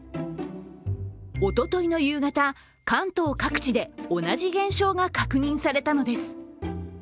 おとといの夕方、関東各地で同じ現象が確認されたのです。